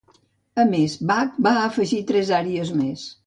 A més Bach va afegir tres àries més.